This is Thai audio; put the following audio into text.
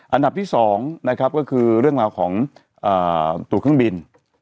อันดับที่๒นะครับก็คือเรื่องราวของตัวเครื่องบิน